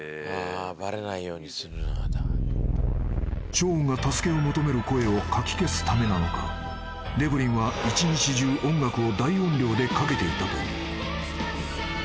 ［ショーンが助けを求める声をかき消すためなのかデブリンは一日中音楽を大音量でかけていたという］